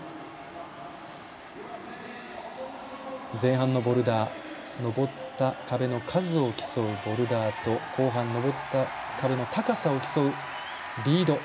前半のボルダー登った壁の数を競うボルダーと後半、登った壁の高さを競うリード。